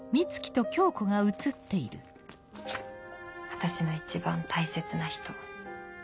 私の一番大切な人。